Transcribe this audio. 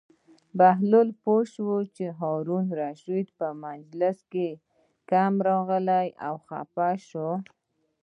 بهلول پوه شو چې هارون الرشید په مجلس کې کم راغی او خپه شو.